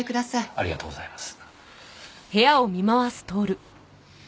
ありがとうございます。